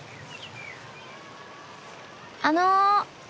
あの。